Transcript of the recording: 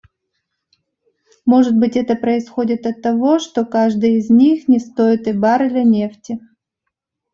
Может быть, это происходит оттого, что каждый из них не стоит и барреля нефти?